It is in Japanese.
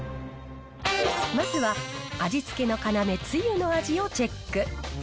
まずは味付けの要、つゆの味をチェック。